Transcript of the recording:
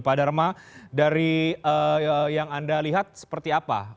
pak dharma dari yang anda lihat seperti apa